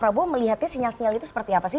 prabowo melihatnya sinyal sinyal itu seperti apa sih